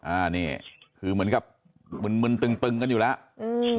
อ่านี่คือเหมือนครับมึนตึงกันอยู่แล้วอืม